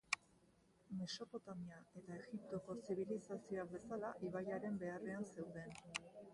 Mesopotamia eta Egiptoko zibilizazioak bezala, ibaiaren beharrean zeuden.